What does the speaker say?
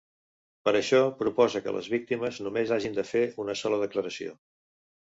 Per això, proposa que les víctimes només hagin de fer una sola declaració.